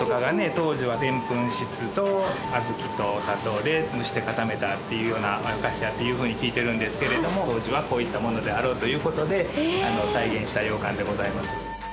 当時はでんぷん質と小豆とお砂糖で蒸して固めたっていうようなお菓子だっていうふうに聞いてるんですけれども当時はこういったものであろうという事で再現した羊羹でございます。